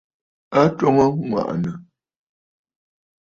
A twoŋǝ aŋwà'ànǝ̀.